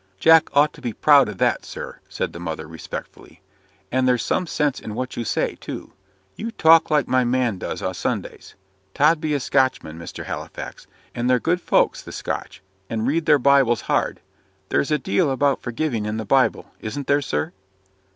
"Jack ought to be proud o' that, sir," said the mother, respectfully; "and there's some sense in what you say, too. You talk like my man does, o' Sundays. Tod be a Scotchman, Mr. Halifax; and they're good folks, the Scotch, and read their Bibles hard. There's a deal about forgiving in the Bible; isn't there, sir?"